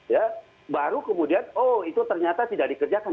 ya baru kemudian oh itu ternyata tidak dikerjakan